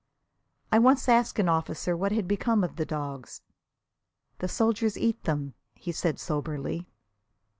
I once asked an officer what had become of the dogs. "The soldiers eat them!" he said soberly.